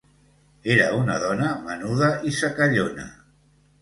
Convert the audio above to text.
Era una dona menuda i secallona.